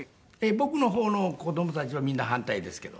僕の方の子供たちはみんな反対ですけど。